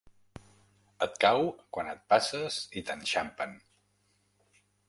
Et cau quan et passes i t'enxampen.